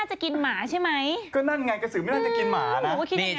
ต้องชิมก่อนแป๊บ